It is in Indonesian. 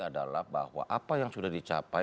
adalah bahwa apa yang sudah dicapai